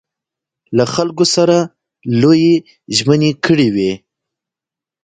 له خلکو سره لویې ژمنې کړې وې.